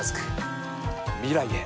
未来へ。